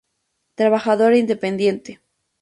Trabajadora independiente.